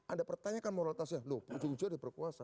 anda pertanyakan moralitasnya loh ujung ujung dia berkuasa